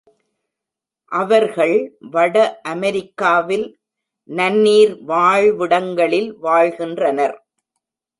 அவர்கள் வட அமெரிக்காவில் நன்னீர் வாழ்விடங்களில் வாழ்கின்றனர்.